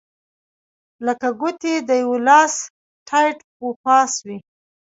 لکه ګوتې د یوه لاس ټیت و پاس وې.